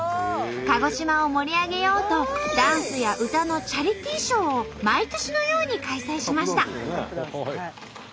鹿児島を盛り上げようとダンスや歌のチャリティーショーを毎年のように開催しました。